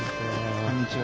こんにちは。